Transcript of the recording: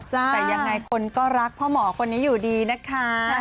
แต่ยังไงคนก็รักพ่อหมอคนนี้อยู่ดีนะคะ